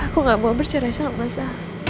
aku gak mau bercerai sama saya